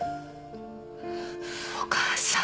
お母さん。